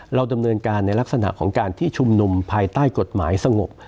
เราดำเนินการในลักษณะของการที่ชุมนุมภายใต้กฎหมายสงบ